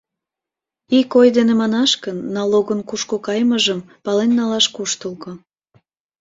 Ик ой дене манаш гын, налогын кушко кайымыжым пален налаш куштылго.